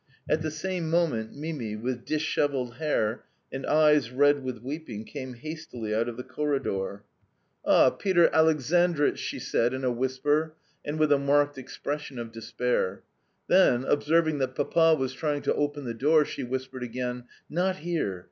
At the same moment Mimi, with dishevelled hair and eyes red with weeping came hastily out of the corridor. "Ah, Peter Alexandritch!" she said in a whisper and with a marked expression of despair. Then, observing that Papa was trying to open the door, she whispered again: "Not here.